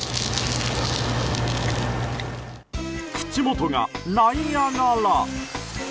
口元がナイアガラ。